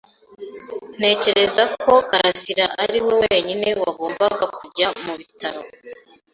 Ntekereza ko karasira ari we wenyine wagombaga kujya mu bitaro.